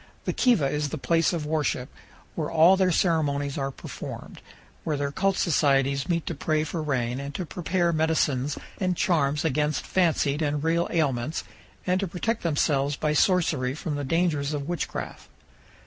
The kiva is the place of worship, where all their ceremonies are performed, where their cult societies meet to pray for rain and to prepare medicines and charms against fancied and real ailments and to protect themselves by sorcery from the dangers powell canyons 216.jpg WALPI. A VILLAGE OF TUSAYAN. of witchcraft.